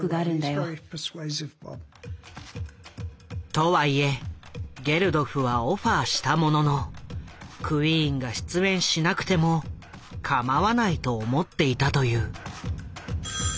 とはいえゲルドフはオファーしたもののクイーンが出演しなくてもかまわないと思っていたという。